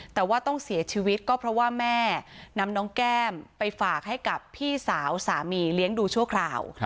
แต่ว่าต้องเสียชีวิตก็เพราะว่าแม่นำน้องแก้มไปฝากให้กับพี่สาวสามีเลี้ยงดูชั่วคราว